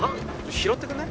拾ってくんない？